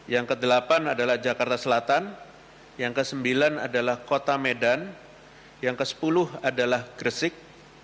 yang kedelapan adalah jakarta selatan yang kesembilan adalah kota medan yang kesepuluh adalah gresik